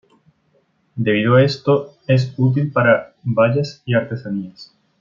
Debido a esto, es útil para vallas y artesanías.